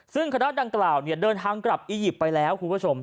ซึ่งคณะดังกล่าวเดินทางกลับอียิปต์ไปแล้วคุณผู้ชม